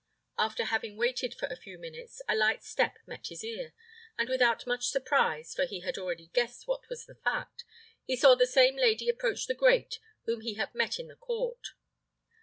After having waited for a few minutes, a light step met his ear; and without much surprise, for he had already guessed what was the fact, he saw the same lady approach the grate whom he had met in the court.